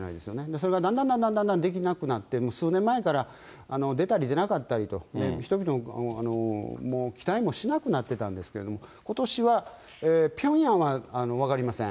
それがだんだんだんだんできなくなって、数年前から、出たり出なかったりと、人々ももう期待もしなくなってたんですけれども、ことしはピョンヤンは分かりません、